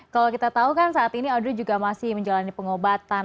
kalau kita tahu kan saat ini audrey juga masih menjalani pengobatan